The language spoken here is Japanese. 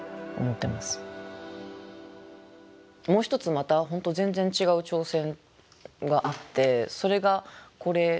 もう一つまた本当全然違う挑戦があってそれがこれなんですね。